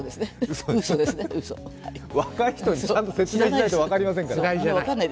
若い人にちゃんと説明しないと分かりませんから。